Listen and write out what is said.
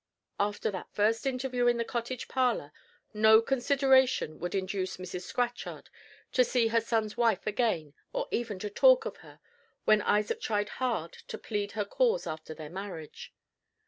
After that first interview in the cottage parlor no consideration would induce Mrs. Scatchard to see her son's wife again or even to talk of her when Isaac tried hard to plead her cause after their marriage.